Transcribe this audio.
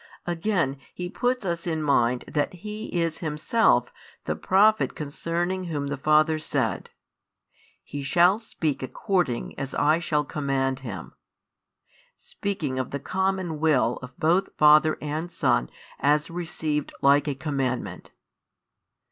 Again, He puts us in mind that He is Himself the Prophet concerning Whom the Father said: He shall speak according as I shall command Him; speaking of the common Will of both Father and Son as received like a commandment.